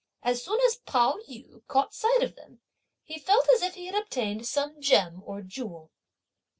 As soon as Pao yü caught sight of them, he felt as if he had obtained some gem or jewel.